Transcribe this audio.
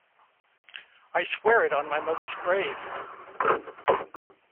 I swear it on my mother's grave.